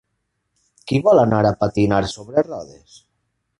Qui vol anar a patinar sobre rodes?